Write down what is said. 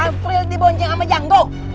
apri diboncengan sama jango